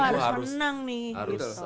wah harus menang nih